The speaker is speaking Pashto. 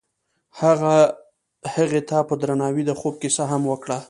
هغه هغې ته په درناوي د خوب کیسه هم وکړه.